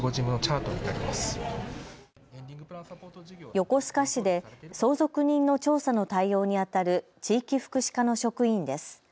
横須賀市で相続人の調査の対応にあたる地域福祉課の職員です。